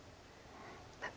何か。